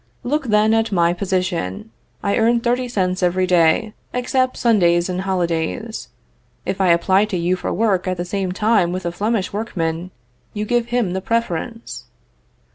Look, then, at my position. I earn thirty cents every day, excepts Sundays and holidays. If I apply to you for work at the same time with a Flemish workman, you give him the preference.